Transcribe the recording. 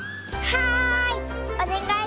はい！